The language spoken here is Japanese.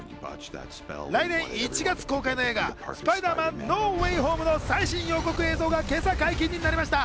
来年１月公開の映画『スパイダーマン：ノー・ウェイ・ホーム』の最新予告映像が今朝解禁になりました。